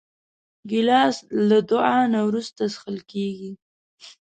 ګیلاس له دعا نه وروسته څښل کېږي.